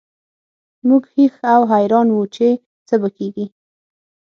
موږ هېښ او حیران وو چې څه به کیږي